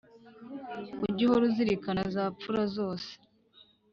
Ujye uhora uzirikana zapfura zose